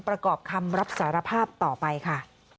ประกอบคำรับสารภาพต่อไปค่ะ